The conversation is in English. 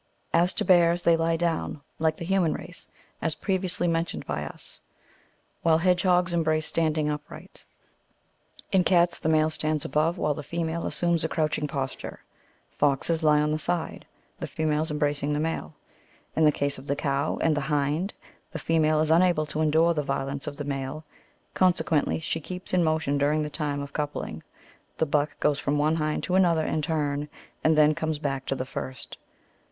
As to bears, they lie down, like the human race, as previous ly^ mentioned by us; while hedgehogs embrace standing upright. In cats, the male stands above, while the female assumes a crouching posture ; foxes lie on the side, the female embracing the male. In the case of the cow and the hind, the female is unable to endure the violence of the male, con sequently she keeps in motion during the time of coupling. The buck goes from one hind to another in turn, and then comes back to the first.